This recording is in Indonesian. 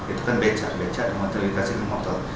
itu kan becak becak dan motor dikasih ke motor